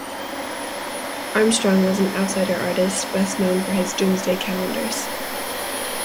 Armstrong, was an outsider artist best known for his doomsday calendars.